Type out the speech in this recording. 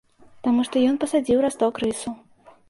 Таму што ён пасадзіў расток рысу.